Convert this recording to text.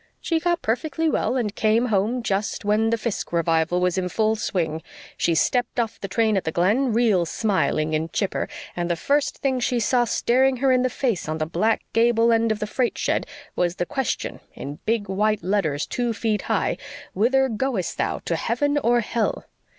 She got perfectly well and came home just when the Fiske revival was in full swing. She stepped off the train at the Glen, real smiling and chipper, and the first thing she saw staring her in the face on the black, gable end of the freight shed, was the question, in big white letters, two feet high, 'Whither goest thou to heaven or hell?'